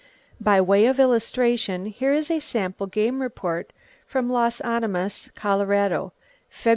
By way of illustration, here is a sample game report, from Las Animas, Colorado, Feb.